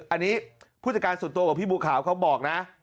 อันนี้ผู้จัดการส่วนตัวของพี่บัวขาวเขาบอกนะ